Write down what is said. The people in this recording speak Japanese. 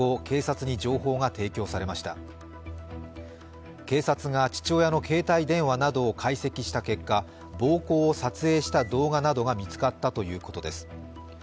警察が父親の携帯電話などを解析した結果暴行を撮影した動画などが見つかったということです。